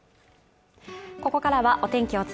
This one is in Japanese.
ここからはお天気